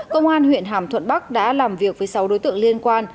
công an huyện hàm thuận bắc đã làm việc với sáu đối tượng liên quan